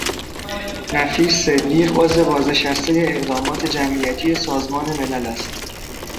نفیس صدیق عضو بازنشسته اقدامات جمعیتی سازمان ملل است.